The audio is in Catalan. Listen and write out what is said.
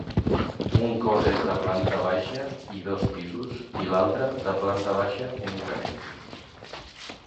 Un cos és de planta baixa i dos pisos i l'altre de planta baixa únicament.